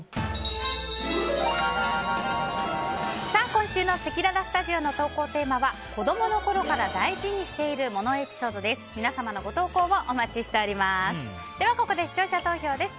今週のせきららスタジオの投稿テーマは子供の頃から大事にしている物エピソードです。